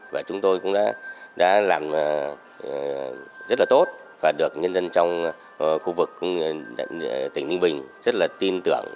và chúng tôi cũng đã làm rất là tốt và được nhân dân trong khu vực tỉnh ninh bình rất là tin tưởng